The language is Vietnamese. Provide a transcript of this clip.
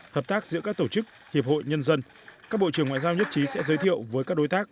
hợp tác giữa các tổ chức hiệp hội nhân dân các bộ trưởng ngoại giao nhất trí sẽ giới thiệu với các đối tác